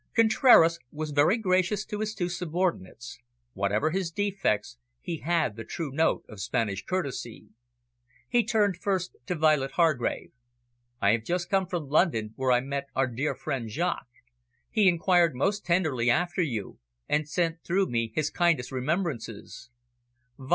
Contraras was very gracious to his two subordinates. Whatever his defects, he had the true note of Spanish courtesy. He turned first to Violet Hargrave. "I have just come from London, where I met our dear friend Jaques. He inquired most tenderly after you, and sent through me his kindest remembrances."